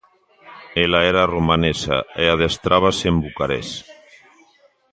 Ela era romanesa e adestrábase en Bucarest.